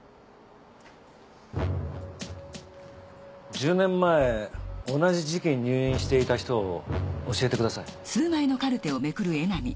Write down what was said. １０年前同じ時期に入院していた人を教えてください。